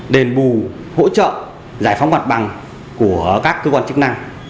đền bù hỗ trợ giải phóng mặt bằng của các cơ quan chức năng